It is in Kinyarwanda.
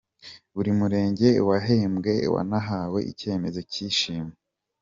Buri murenge wahembwe wanahawe icyemezo cy’ishimwe.